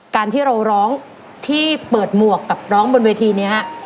การที่เราร้องที่เปิดหมวกกับร้องบนเวทีนี้ฮะ